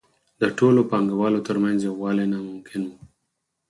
د ټولو پانګوالو ترمنځ یووالی ناممکن وو